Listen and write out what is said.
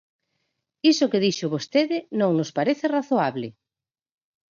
Iso que dixo vostede non nos parece razoable.